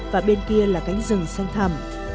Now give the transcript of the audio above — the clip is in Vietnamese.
và bên kia là cánh rừng xanh thẳm